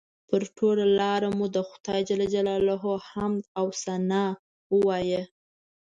پر ټوله لاره مو د خدای جل جلاله حمد او ثنا ووایه.